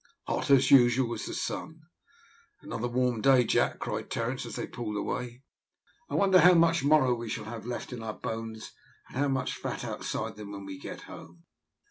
Hot, as usual, was the sun. "Another warm day, Jack," cried Terence, as they pulled away; "I wonder how much marrow we shall have left in our bones and how much fat outside them when we get home."